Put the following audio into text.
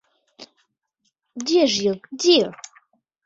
Дзе ж ён, дзе?